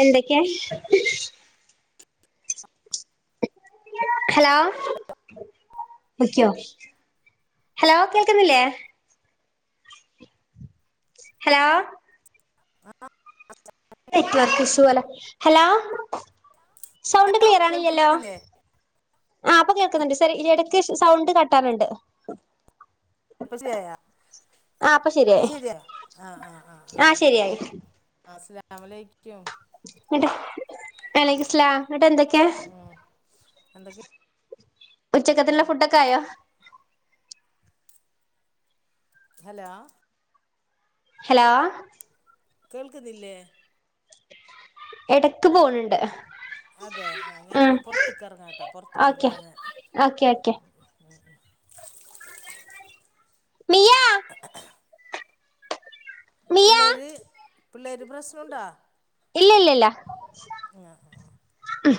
എന്തൊക്കയാ hello പൊയ്ക്കോ hello കേൾക്കുന്നില്ലേ hello ആഹ് നെറ്റുവർക്കിഷൂ പോലെ ഹലോ സൗണ്ട് ഹലോ ക്ലിയറാകുന്നില്ലല്ലോ കേൾക്കുന്നില്ലേ ആഹ് ഇപ്പൊ കേൾക്കുന്നുണ്ട്. സേരി ഇടക്ക് സൗണ്ട് കട്ടാക്കുന്നുണ്ട് ഇപ്പ ശരിയായോ ആ അപ്പൊ ഇപ്പ ശരിയായി ശരിയായോ ആഹ്.. ആഹ്.. ആഹ് ആ ശരിയായി ആഹ അസലാമലൈക്കും നട്ട് അലൈക്സലാം എന്നിട്ടെന്തൊക്കെയാ ഉം എന്തൊക്കെ ഉച്ചക്കത്തേനുള്ള ഫുഡൊക്കെയായോ ഹലോ ഹലോ കേൾക്കുന്നില്ലേ എടക്കു പോണുണ്ട് അതെ ആ.. ഉം ഞാനിടെ പുറത്തേക്കിറങ്ങാംട്ടോ പുറത്തേക്കു ഓക്കെ പോവാ ഞാൻ ഓക്കെ ഓക്കെ ഉം.. ഉം.. ഉ മിയാ മിയ പിള്ളാര് പിള്ളാര് പ്രശ്നമുണ്ടോ ഇല്ലല്ലല്ല ഉം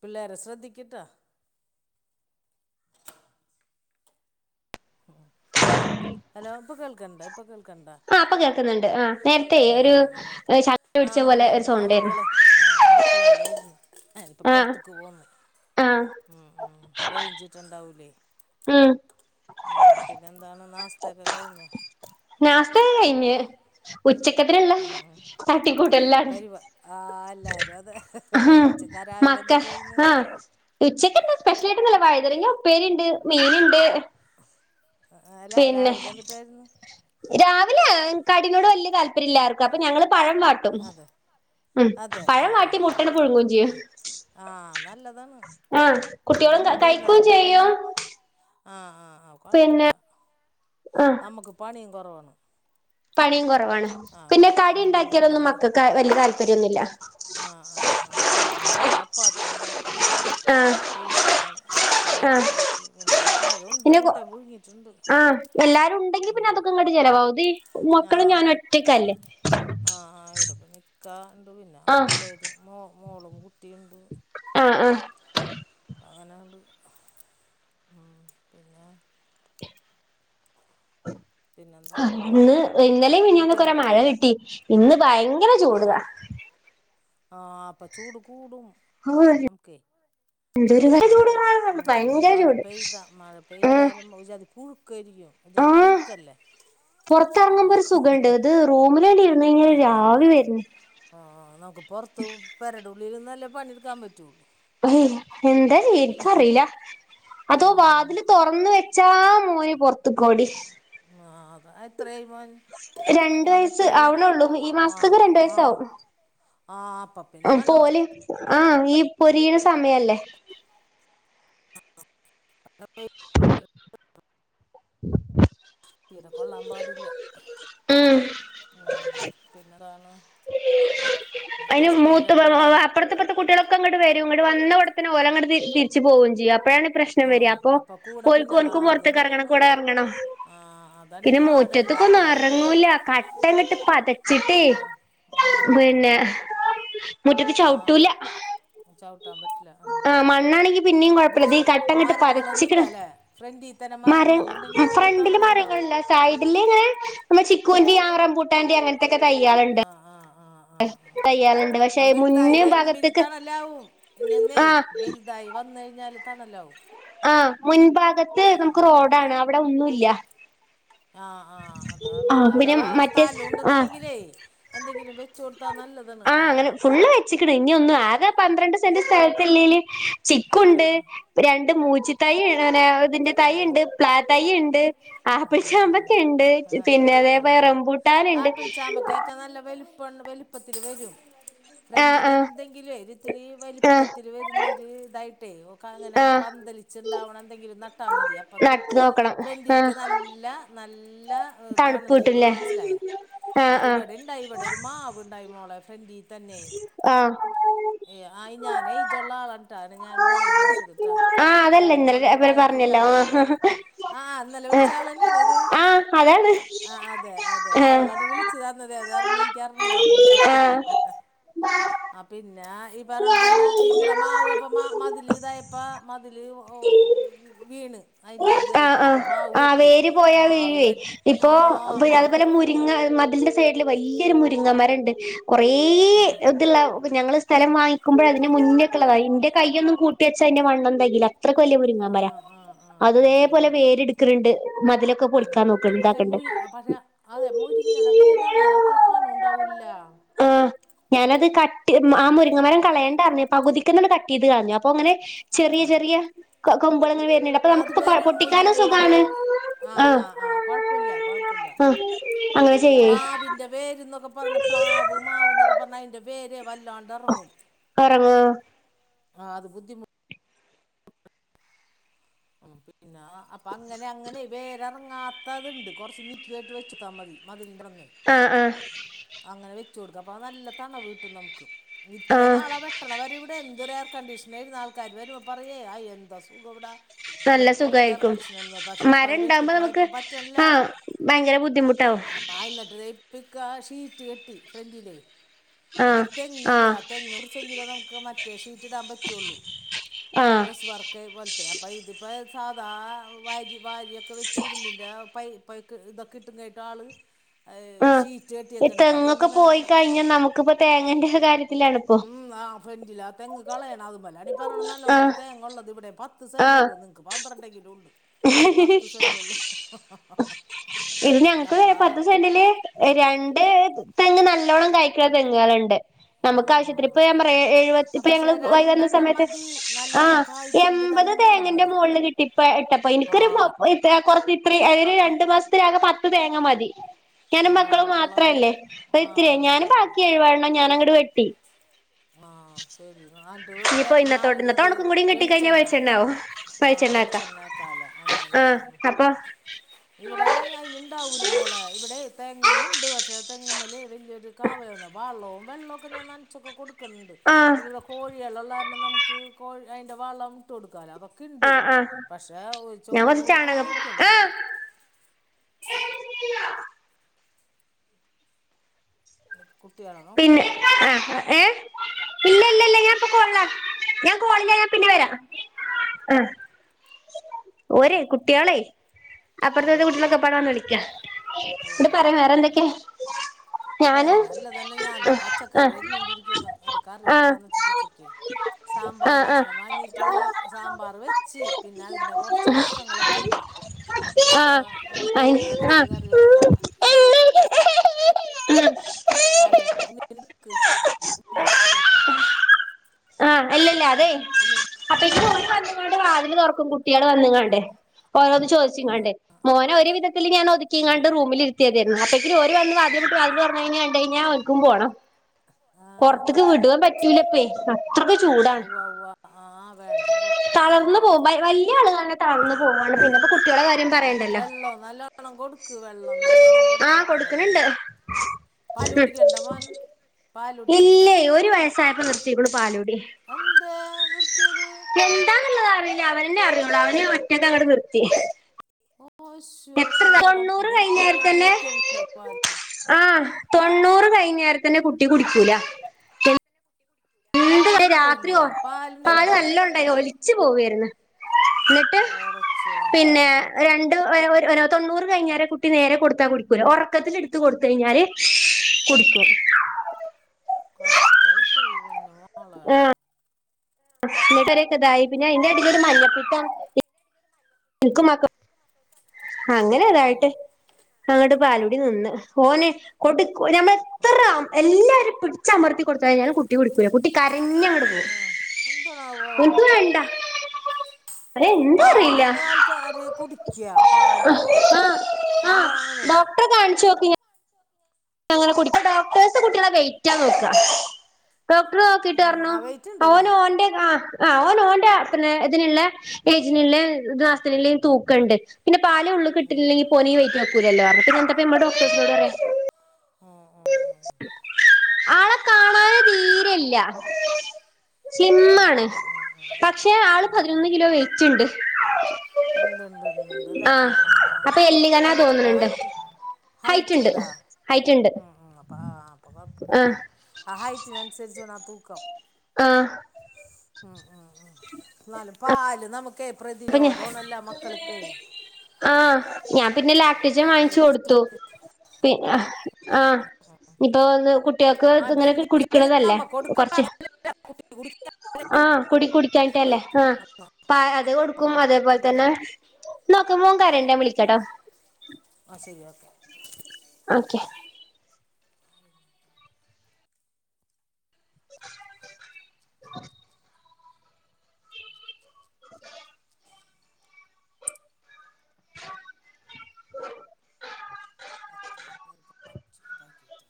പിള്ളേരെ ശ്രദ്ധിക്ക്ട്ടാ ഉം ഹലോ ഇപ്പൊ കേൾക്കണണ്ട ഇപ്പൊ കേൾക്കണ്ട ആഹ് ഇപ്പൊ കേൾക്കുന്നുണ്ട് ആഹ് നേരത്തെ ആഹ് ഒരു ആഹ് ഞാൻപ്പോ ശ [inaudible] പിടിച്ച ആഹ് പോലെ ഞാനേ ഒരു സൗണ്ടേർന്നു അടുക്കള ആഹ് അടുക്കളേലർന്നു ഞാനിപ്പോ ആ പൊറത്ത്ക്ക് പോന്നു ആ ഉം ഉ റേഞ്ചിട്ട്ണ്ടാവൂലേ ഉം ഉം പിന്നെന്താണ് നാസ്ത്തെക്കെ കഴിഞ്ഞൊ നാസ്തെക്കേ കയിഞ്ഞ് ഉച്ചക്കത്തിന്ള്ള ഉം പരിപ ആഹ് അല്ലാരും അതെ ഉച്ചക്ക രാവിലെ എന്തുട്ടായിരുന്നു ഉച്ചക്ക്ന്താ സ്പെഷ്യലായിട്ടൊന്നുല്ല വഴുതനങ്ങ ഉപ്പേരിണ്ട് മീന് ണ്ട് ആഹ് അല്ല രാവിലെ എന്തുട്ടായിരുന്നു രാവിലെ കടിനോട് വല്യ താല്പര്യല്ലാർക്കും അപ്പൊ ഞങ്ങള് പഴം വാ ട്ടും അതെ അതെ പഴം വാട്ടി മുട്ട ട് പുഴുങ്ങും ചെയ്യും ആഹ് നല്ലതാണ് ആഹ് ഇവിടെ കുട്ടികളും ണ്ട് കഴിക്കുകയും എന്നാലും ഇവിട ഞ ചെയ്യും ആഹ് ആഹ് ആഹ് കൊഴപ്പല്ല പിന്നെ ആഹ് നമ്മക്ക് പണിയും കൊറവാണ് പണിയും കൊറവാണ് പിന്നെ ഇവിടെ കടി ഉം ഇവിടെ ഇണ്ടാക്കിയാലൊന്നും മക്കക്ക് വല്യ താല്പര്യൊന്നുല്ല ആഹ് ആഹ് ആഹ് ആഹ് ഇവിടെ ചപ്പാത്തി ണ്ടാക്കി ആഹ് ഈസ്റ്റും ഈസ്റ്റ് കറി ആഹ് ണ്ടാക്കി പിന്നെ ആഹ് പഴോണ്ട് പിന്നെ മുട്ടേം പുഴുങ്ങിട്ട്ണ്ട് ആഹ് എല്ലാരും ഉണ്ടെങ്കി പിന്നെ അതൊക്കെങ്ങട്ട് ചെലവാകും ഇത് മക്കളും ഞാൻ ഒറ്റയ്ക്കല്ലേ ആഹ് ആഹ് ഇവിടെ പിന്നെ ഇക്കാ ഇണ്ട് പിന്നെ ആ ആഹ് പിള്ളേരും മോ മോളും കുട്ടിണ്ട് ആഹ് ആഹ് അങ്ങനാണ്ട് ഉം പിന്നെ പിന്നെന്താണ് ഇന്ന് ഇന്നലെയും മിഞ്ഞാന്നൊക്കൊരൊ കുട്ടികളൊക്കെ മഴ എത്ര കിട്ടി ഇന്ന് ഭയങ്കര ചൂട്ത ആഹ് ആഹ് അപ്പൊ ചൂട് കൂടും നമുക്കേ എന്തൊരു മഴ ചൂട് ഉം ഉം ഭയങ്കര മഴ ചൂട് പെയ്ത മഴ ആഹ് പെയ്താലും ഒരുജാതി പുഴുക്കായിരിക്കും ഒരുജാതി പുഴുക്കല്ലേ ആ പൊറത്തെറങ്ങുമ്പോ ഒരു സുഖണ്ട് ഇത് റൂമിലങ്ങട് ഇര്ന്ന് കഴിഞ്ഞാൽ അത് തന്നെ ഒരാവി വര്ന്ന് ആഹ് നമുക്ക് പൊറത്ത് പെരേടെ ഉള്ളില്ന്നല്ലേ പണിട്ക്കാൻ പറ്റുള്ളൂ അഹ് എന്താ ചെയ്യാ ഇൻക്കറീല അതോ വാതില് ഉം തൊ റന്ന് വെച്ചാ മോന് പൊറത്ത്ക്കോടി ആഹ് അത എത്രായി മോന് രണ്ട് വയസ്സ് ആവണൊള്ളൂ ഈ മാസത്ത്ക്ക് രണ്ട് വയസ്സ് ആവും ആഹ് അപ്പം പിന്നെ നല്ലോണം അപ്പോല് ആഹ് ഈ പൊരിയണ സമയല്ലേ അ [inaudible] [inaudible] തീരെ കൊള്ളാൻ പാടില്ല ഉം ഉം പിന്നെന്താണ് അയിന് ഹസ്ബൻഡ് മൂത്ത എവിടെയാ [unintelligible] അപ്പറത്തെപ്പറത്തെ കുട്ട്യാളൊക്കെ ഇങ്ങട്ട് വരും ഇങ്ങട്ട് വന്നവിടത്തന്നെ ഒരങ്ങട്ടെ തിരിച്ച് പോവും ചെയ്യും അപ്പഴാണ് പ്രശ്നം ആ വര അപ്പൊ അപ്പം കൂടെ പിന്നെ ഓൽക്കും ആ ഓന്ക്കും അത് പൊറത്ത്ക്ക് എറങ്ങണം തന്നെയാണ് കൂടെ എറങ്ങണം ആ അതാണ് ഈ പിന്നെ പാട് മുറ്റത്ത്ക്കൊന്നും എല്ലാവടും അതല്ല എറങ്ങൂല്ല കട്ടങ്ങിട്ട് പതച്ചിട്ടേ ആഹ് പിന്നെ ആഹ് മുറ്റത്ത് ചൗട്ടൂല ആ ചവിട്ടാൻ പറ്റില്ല ഉം, ആഹ് ഉം, ഉം. മണ്ണാണെങ്കി പിന്നേം കൊഴപ്പല്ല വൃക്ഷ ഇതീ കട്ടങ്ങിട്ട് മരങ്ങളൊന്നുമില്ല പതച്ചിക്ക്ണ് അല്ലേ ഫ്രണ്ടിൽ തന്നെ മര മരങ്ങളുണ്ടെങ്കിൽ കുറേ ഫ്രണ്ടില് തണലുണ്ടാവും മരങ്ങളില്ല സൈഡിലിങ്ങനെ നമ്മളേ ചിക്കൂന്റിം ആഹ് റംബൂട്ടാന്റീം അങ്ങനത്തെക്കെ തയ്യാളിണ്ട് ആഹ് ആഹ് ആഹ് ആഹ് ആഹ് പക്ഷെ ആത് വലുതായി മുന്നേ വരുമ്പനി ഭാഗത്തേക്ക് തണലാവും ഇനിന്നെ ആഹ് വലു തായി വന്ന കഴിഞ്ഞാല് തണലാവും ആഹ് മുൻ ഭാഗത്ത് നമുക്ക് റോഡാണ് അവിടെ ഒന്നുംല്ല ആഹ് ആ്ഹ്അതാണ് അവിടെ പിന്നെ മറ്റേ സ്ഥലം ആഹ് ഉണ്ടെന്നുണ്ടെങ്കിലേ എന്തെങ്കിലും വെ ആഹ് അങ്ങനെ ഫുള്ള് വെച്ച്ക്ക്ണ് ഇനി ഒന്നും ആകെ പന്ത്രണ്ട് സെന്റ് സ്ഥലത്ത്ല്ലെല് ചിക്കുണ്ട് ആഹ് രണ്ട് മൂച്ചിത്തൈ അ ഇതിന്റെ തൈ ണ്ട് പ്ലാ തൈ ഉണ്ട് ആപ്പിൾ ആഹ് ചാമ്പ ണ്ട് ആഹ് ആഹ് പിന്നെ ആഹ് അതേപെ ആഹ് റംബൂട്ടാന്ണ്ട് ആപ്പിൾ ചാമ്പക്കൊക്കെ നല്ല വലുപ്പ വലുപ്പത്തില് വരും ആഹ് ഫ്രന്റില് ആഹ് ന്തെങ്കിലുയ് ഒരു ത്തിരി വലിപ്പ ആഹ് രുന്ന ഒരു ഇതായിട്ടേയ് ഒക്കെ അങ്ങനാ ആഹ് പന്തലിച് ണ്ടാവന എന്തെങ്കിലും ന ട്ടാ മതി അപ്പ നട്ട് നമുക്ക് നോക്കണം ആഹ് ഫ്രണ്ടിൽക്ക് നല്ലാ നല്ലാ തണുപ്പ് തണല്ട്ടും കിട്ടൂല്ലേ മനസ്സിലായ, ആ ആഹ് ആഹ് ഇവടെ ഇണ്ടായി ഇവിടെ ഒരു മാവ് ണ്ടായി മോളെ ഫ്രണ്ടി തന്നെയ് ആഹ് ഏ ആയ് ഞാനേ യ്ജുള്ള ആളാ താണ് ഞാൻ മോളേന്ന് വിളിച്ചതിട്ടാ എൻന്റെ മോൾടെ പ്രായ ന്നല്ല ആഹ് ന്നലേ വിളിച്ച ആള്ന്നേല്ലേ ഇത് അതാണ് ആ അതെ അതെ അവളാണ് വിളിച്ച അതെ അതാരണം എൻക്കറിഞ്ഞൂടാ ആരുന്നു. ആഹ് ആഹ് പിന്നെ ഈ പറഞ്ഞട്തന്നെ ഇവിടെ മാവ് അപ്പ മതില് തായപ്പ മതില് ഓ ആഹ് വീണ് അയ്ന്റെ ആഹ് ആഹ് ഇതായിട്ട്ണ്ട് മാവ് ആഹ് വെട്ടി വേര് പോയാ വീഴുവേ മാവ് ഇപ്പൊ ആ മാ അതുപോലെ മുരിങ്ങ മതില്ന്റെ സൈഡില് വല്ല്യ യൊരു മുരിങ്ങ മരണ്ട് കൊറേയേ ആ ത്ള്ള ഞങ്ങള് സ്ഥലം വാങ്ങിക്കുമ്പോളെ അതിന് മുന്നേക്കള്ളതാ ഇന്റെ കയ്യോന്നും കൂട്ടി വെച്ചാ അയ്ന്റെ വണ്ണം തേകീല. അത്രക്ക് വല്ല്യയ മുരിങ്ങാംമരാ. ആഹ് ആ. അത് ആ ആ തേപോലെ വേര്ടുക്ന്ണ്ട് മതിലൊക്കെ ഉം പൊളിക്കാൻ നോക്ക പക്ഷെ ഇതാക്കണ്ട്. മുരി പക്ഷെ അതെ മുരിങ്ങടെ വേര് അങ്ങനെ അത്ര കനം ഉണ്ടാവൂല. ആഹ് ഞാനത് കട്ട് ആ മുരിങ്ങ മരം കളയേണ്ടറിഞ്ഞു പകുതിക്കന്നങ്ങട് കട്ടീത് കളഞ്ഞു അപ്പൊ ങ്ങനെ ചെറിയ ചെറിയ കൊമ്പോള് ങ്ങനെ വര്ന്ണ്ട് അപ്പൊ അത് നമുക്ക്പ്പോ വരും പൊട്ടിക്കാനും മുരിങ്ങമ്മല് സുഗാണ്. ആഹ് ആ ആ കൊഴപ്പുല്ല കോഴപ്പുല്ല ആഹ് അങ്ങനെ ചെയ്യേ മാവിന്റെ വേര്ന്നൊക്കെ പറഞ്ഞെ പ്ലാവ് മാവ് ന്നൊക്കെ പറഞ്ഞ അയ്ന്റെ വേര് വല്ലാണ്ട് അറങ്ങും ഒറങ്ങോ ആഹ് അത് ബുദ്ധിമു ഉം പിന്നെ അപ്പൊ അങ്ങനെ അങ്ങനെ വേര് റങ്ങാ പാത്ണ്ട് കൊർച്ച് നീക്കീട്ട് വെചോട് ത്താമതി മതിൽന്റെ ആഹ് ആഹ് അങ്ങനെ വെച്ചു കൊടുക്കാ അപ്പൊ നല്ല തണവ് കിട്ടും നമുക്ക് ഇത്രയും ആഹ് നാളാ വെ പെട്ടണവ ഇവിടെ എന്തരു എയർ കണ്ടീഷനെരുന്നു ആൾക്കാര് വരുംമ്പോ പറയുയ് എന്താ സുഖം ഇവടെ. നല്ല ഇവടെ പൊർത്തേർക്ക സുഖായിരിക്കും [unintelligible] പക്ഷെ ഇപ്പ മരം അത് വെട്ടി ഇണ്ടാവുമ്പോ നമുക്ക് പോയപ്പോ പറ്റണ്ല്ലാ. ആഹ് ഭയങ്കര ബുദ്ധിമുട്ടാവും ആഹ് യ്ന്നട്ട് തേ പ്പിക്ക ഷീറ്റ് കെട്ടി ഫ്രൻന്റിലേയ്. അപ്പൊ ആഹ് ഒരു തെങ്ണ്ട് ആഹ് ആ തെങ്ങ് മുറിച്ചെങ്കിലോ നമുക്ക് മറ്റേ ഷീറ്റ് ഇടാൻ പറ്റുള്ളൂ. ആഹ്. ഡ്രസ് വർക്ക് പോലത്തെ അപ്പൊ ഇതിപ്പോ സാധാ വാരി വാരിയൊക്കെ വെച് ഇരുമ്പിന്റെ ആ പ പൈ ക്ക് ഇതൊക്കെ ഇട്ടും കേട്ട് ആള് ആഹ് ഷീറ്റ് ഈ കെട്ടിയൊക്കെ എണുപ്പ അപ്പൊ തെങ്ങൊക്കെ എന്താണ് പോയി ണാ കഴിഞ്ഞാ നമുക്കിപ്പോ തേങ്ങന്റെ കാര്യത്തിലാണിപ്പോ ഉം ആ ഫെന്റില ആ തെങ് കളയണാ അതുമല നിപ്പൊ ഈ പറയണ നല്ലോണ് ഒരു ആഹ് തേങ്ങ ഉള്ളത് ഇവിടെ പത്ത് സെന്റ് ആഹ് ഉള്ളു നി ക്ക് പന്ത്രണ്ടെങ്കിലും ഉണ്ട്. ഇവിടെ പത്ത് സെന്റ് ഉള്ളൂ ഇത് ഞങ്ങക്ക് അപ്പ പത്ത് സെന്റില് രണ്ട് തെങ്ങ് നല്ലോണം കായ്ക്ണ തെങേള്ണ്ട്. ഉം നമുക്ക് ഉം ആവശ്യത്തിന് ഇപ്പൊ ഞാൻ പറയാ എഴുപത്തി ആ ഇപ്പൊ പക്ഷെ ഞങ്ങള് വൈകുന്ന രണ്ടെണ്ണം സമയത്ത് മതി നല്ലോണം ആഹ് കായ്ക്കണത് എൺപത് രണ്ടെണ്ണം തേങ്ങന്റെ മതി മോൾള് കിട്ടിപ്പോ ഇട്ടപ്പോ ഇ ആ ഇക്കൊരു കൊ ഒര് കൊറച്ച് ഇത്ര അരു രണ്ടു മാസത്തിലാകെ പത്ത് തേങ്ങാ മതി. ഞാനും ആ മക്കളും അപ്പളാ മാത്രംല്ലേ ആ ഇത്തിരിയേ ഞാന് ഉവ്വ ഉവ്വ ബാക്കി എഴ് വണ്ണം ഞാന അങ്ങട് വെട്ടി. ആഹ് ശരി ആട്ട് ത്തെ ഇനിയിപ്പോ നാല് ഇന്നത്തോട്ട് ഇന്നത്തെ ഇത് ഉണക്കും കൂടിയും കിട്ടിക്കഴിഞ്ഞാൽ വേളിചണ്ണാ വെളിച്ചെണ്ണാവും ആഹ് വേളിച്ചെണ്ണാ ക്കാല അതന്നെ. പ്പ ഇവടെ അയ് അയിന് ണ്ടാവൂല മോളെ ഇവടെയ് തെങ്ങുണ്ട് പക്ഷേ തെങ്ങുമ്മലേ വല്യരു കാവല [unintelligible] വളവും വെള്ളക്കെ ഞാൻ നൻച്ചൊക്കെ കൊടു ക്കണ്ട് ആഹ് പിന്നെ ഇവടെ കോഴിയേള് ളള്ളാരണം നമുക്ക് കൊ അയ്ന്റെ വളം ട്ട് കൊടുക്കാലോ അ ഉണ്ട് ആഹ് ആഹ് പക്ഷേ ഞാൻ ചൊവ്വിന കൊറച്ച് അങ്ങോട്ട് ചാണകം കായ്ക്കാഇല്ല. ആഹ് കുട്ടികളെ നോക്ക്. ആഹ ഏഹ ഇല്ല ഇല്ലല്ല ഞാൻ ഞാൻ കോള ഞൻ പിന്നെ വരാ ആ ഓര് കുട്ടികളെ ആ അപ്പറത്തെത്തെ ഉവ്വ കുട്ടികളൊക്കെ പാട വന്നന്ന് വിളിക്കാ ഉവ്വ ഇവിടെ ഉവ്വ പറയാ ഉവ്വ വറെ ഉവ്വ എന്തൊക്കെ? ഞാന് അതന്നെ ഞാൻത ആ പച്ചക്കറി എരിഞ്ഞുകൊണ്ടിരിക്കുന്നു ഒരു കറി ആ വെക്കാന്ന് വച്ചിട്ട ഉച്ചക്കേ. ആ ആ സാമ്പാർ കഷ്ണം വാങ്ങീട്ട് സാമ്പാർ വെച്ച്. പിന്നെ അതിന്റെ കൊറച്ച് കഷ്ണങ്ങളൊക്കെ ഇണ്ട്. അപ്പ ആ ഇനിയിപ്പോം വല്ല അയി തേങ്ങ ആ അരച്ചൊരു കറി വെക്കാ എന്നൊക്കെ വെച്ചിട്ട്. കയടുക്ക്ടു [unintelligible] ഇല്ലല്ല അതെ അപ്പ ഇനി വന്നങ്ങാണ്ട് വാതിൽ തുറക്കും കുട്ടിള് വന്ന്ങ്ങാണ്ടേ ഓരോന്ന് ചോദിച്ചിങ്ങാണ്ടേ? മോന ഒരു വിധത്തിൽ ഞാൻ ആ ഒതുക്കിങ്ങാണ്ട് റൂമിലിത്തിയതായിരുന്നു അപ്പൊ വാതില് മുട്ടി ഉവ്വ്. തുറന്നു കഴിഞ്ഞാൽ. വിട്ടു കഴിഞ്ഞാൽ ഞാൻ ഒക്കും പോണം ആ പുറത്തേക്ക് വിടുവാൻ പറ്റൂലപ്പേ അത്രൊക്കെ ചൂടാ ഉവ്വ ഉവ്വ ആ വേണ്ട പുറത്തേക്ക് തളർന്ന് വിടണ്ട പോകും വലിയ ആളുകന്നെ ആ ന്ന് പോവാണ് പിന്നെപ്പോ കുട്ടികള കാര്യം അത് തന്നെ പറയണ്ടല്ലോ. വെള്ളം നല്ലോണം കൊടുക്ക് വെള്ളം നല്ലോണം ആ കൊടുക്കട്ടോ കൊടുക്ക്ണ് ണ്ട്. വെള്ളേ പാല് കുടിക്കണ്ട മോൻ പാല് ഉ കുടിക്കണ്ട ഇല്ലേ ഒരു വയസ്സായപ്പോ നിർത്തിരിക്കു പാലൂടി. അന്തേ നിർത്തിയത്. എന്താണുള്ളത് അറിയില്ല അവനേ അറിയുള്ളൂ അവനെ മറ്റൊക്കെ അങ്ങടെ നിർത്തി. ഓശോ എത്ര രണ്ട് തൊണ്ണൂറ് വയസ്സ് വരെ കുടിക്കണ്ടേ പല്. ആഹ തൊണ്ണൂറ് കഴിഞ്ഞേര തന്നെ കുട്ടി കുടിക്കൂല. എ വരെ രാത്രി പാലുണ്ടായില്ലേ പാല് പാലുണ്ടായില്ലേ നല്ല ഉണ്ടായിന് ഒലിച്ച് പോവായിര്ന്ന്. എന്നിട്ട് പടച്ചോനെ പിന്നെ രണ്ട് ഒര തൊണ്ണൂറ് കഴിഞ്ഞാല് കുട്ടി നേരെ കൊടുത്താ കൊടിക്കൂല്ല ഉറക്കത്തി എടുത്ത് കൊടുത്ത കഴിഞ്ഞാല് കുടിക്കും. കഷ്ടമായി പോയി പന് മളെ എന്നിട്ട് ഒരീസം ഇതായി അതിന്റെ എടിയിൽ മഞ്ഞപ്പിത്തം. എനിക്കും മക്കും അങ്ങനെ അള്ളോ അതായിട്ട്. അങ്ങോട്ട് പാലൂടി നിന്ന് ഓനെ കൊട്ടി ഞമ്മൾ എത്ര പടച്ചോ എല്ലാരും പിടിച്ച അമർത്തി കൊടുത്തലും കുട്ടി കുടിക്കുല കുട്ടി കരഞ്ഞങ്ങോട് പോകും. ആ വോ ഓൻക്ക് വേണ്ട അതെന്താ അറിയില്ല പാലാണ് ആൾക്കാര് കുടിക്കുക പാല് എല്ലാം അങ്ങനെ അത്ര കാണിച്ചോക്കി. അങ്ങനെ കുടിക ഡോക്ടേഴ്സ് കുട്ടികളെ വെറ്റ് ണ് നോക്ക. ഡോക്ടർ നോക്കിട്ട് പറഞ്ഞു ആ വെയിറ്റ് ഉണ്ട് അല്ലേ ഓന് ഓൻ്റ ആ ആഹ് ഓ നോന്റെ പിന്നെ ഇതിനുള്ള ഏജിനുള്ള നാസ്നും തൂക്കണ്ട്. പിന്ന പാല് ഉള്ക്ള് കിട്ടില്ലെങ്കിൽ ഇപോ ഒന് ഇവൈറ്റ് ആക്കൂലല്ലോ പറ പിന്നെന്താമ്മ ഡോക്ടേ് പറയാ. ആഹ് ആഹ് ആളെ കാണാന് തീരെല്ല. ഉം സിംആണ് ഉം ഉം ഉം പക്ഷെ ആള് ഉം ഉം പതിനൊന്ന് കിലോ വൈറ്റ് ണ്ട്. ഉണ്ട്ണ്ട് ഉണ്ട്ണ്ട് അല്ലേ ആ ആ ആ അപ്പൊ ആ എല്ലികനാ ഹൈറ്റ് ഉണ്ട് തോന്നുന്നുണ്ട് ഹൈറ്റ്. ഹൈറ്റ് ഉണ്ടോ ഹൈറ്റ് ഉണ്ട് ഉ ഉ പ്പ അപ്പൊ കുഴപ്പമില്ല ആഹ് ആഹയിറ്റന് അനുസരിച്ച നാ തൂക്കം. ആഹ് ഉ ഉ ഉ എന്നാലും പാല് നമുക്കേ പ്രതിരോധം- എല്ലാ മക്കള്ക്ക് ആഹ ഞാൻ പിന്നെ ലാക്ടജൻ വാങ്ങിച്ചു കൊടുത്തു. പി ആഹ- ഇപ്പൊ കുട്ടികൾക്ക് ആ ഇപ്പം ഇത്ങ്ങനെ കുടിക്കണതല്ലേ കൊറച്ച്. ിക്ക [unintelligible] ആഹ് കുടി കുടിക്കാനിട്ടല്ലേ ആഹ് പ അത് നമ്മ കൊടുക്കും കൊടുക്കാണ്ടല്ലോ അതേപോൽതന്നെ ക്ക് മോൻ കരെണ്ട് ഞ വിളിക്കട്ടോ ആഹ് ശരി ഓക്കെ. ഓക്കെ [unintelligible] [unintelligible] പത്ത് വക്ക [unintelligible] ചുതാകിറ്റ്